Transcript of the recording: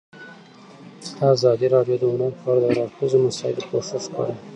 ازادي راډیو د هنر په اړه د هر اړخیزو مسایلو پوښښ کړی.